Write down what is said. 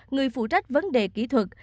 người phụ trách vấn đề kỹ thuật